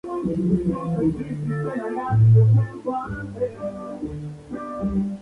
Además, está inquieta por los extraños comportamientos de otros residentes.